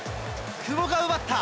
久保が奪った！